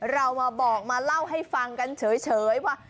เรามาบอกมาเล่าให้ฟังกันเฉยว่า